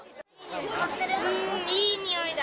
いい匂いだ。